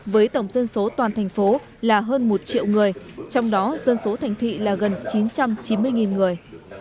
với tổng dân số toàn thành phố là hơn một triệu người trong đó dân số thành thị là gần chín trăm chín mươi người